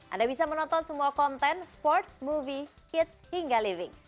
anda bisa menonton semua konten sports movie hits hingga living